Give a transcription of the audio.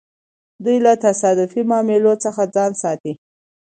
دوی له تصادفي معاملو څخه ځان ساتي.